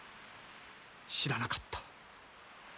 知らなかった。